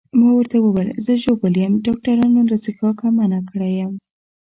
ما ورته وویل زه ژوبل یم، ډاکټرانو له څښاکه منع کړی یم.